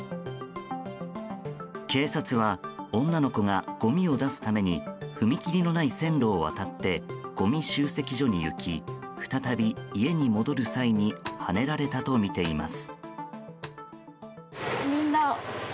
警察は女の子がごみを出すために踏切のない線路を渡ってごみ集積所に行き再び家に戻る際にはねられたとみています。